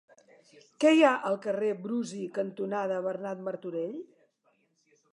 Què hi ha al carrer Brusi cantonada Bernat Martorell?